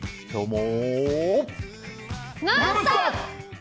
「ノンストップ！」。